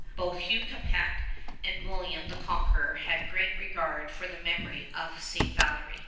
Both Hugh Capet and William the Conqueror had a great regard for the memory of St. Valery.